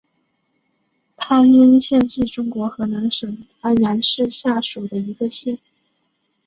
汤阴县是中国河南省安阳市下属的一个县。